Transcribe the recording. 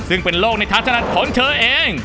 ซึ่งเป็นโลกในทางถนัดของเธอเอง